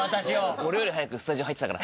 俺より早くスタジオ入ってたから。